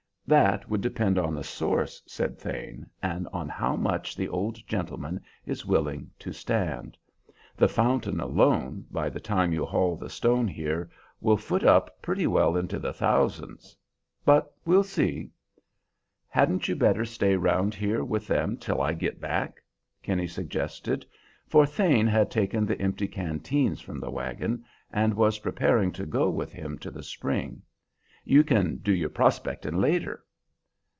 "That would depend on the source," said Thane, "and on how much the old gentleman is willing to stand; the fountain alone, by the time you haul the stone here, will foot up pretty well into the thousands. But we'll see." "Hadn't you better stay round here with them till I git back?" Kinney suggested; for Thane had taken the empty canteens from the wagon, and was preparing to go with him to the spring. "You kin do your prospectin' later."